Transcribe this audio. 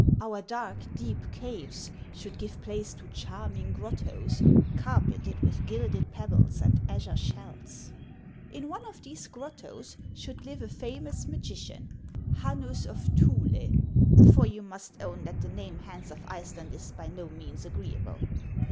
Our dark, deep caves should give place to charming grottos carpeted with gilded pebbles and azure shells. In one of these grottos should live a famous magician, Haunus of Thule. For you must own that the name Hans of Ice land is by no means agreeable.